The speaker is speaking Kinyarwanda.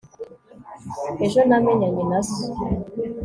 ejo namenyanye na so